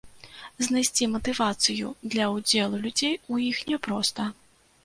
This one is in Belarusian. Знайсці матывацыю для ўдзелу людзей у іх няпроста.